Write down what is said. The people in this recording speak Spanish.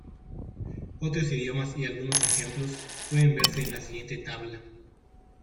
Otros idiomas y algunos ejemplos pueden verse en la siguiente tabla.